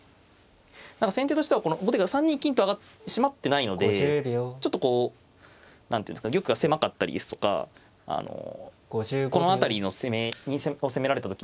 先手としては後手が３二金と締まってないのでちょっとこう何ていうんですか玉が狭かったりですとかこの辺りを攻められた時にちょっと弱いっていう。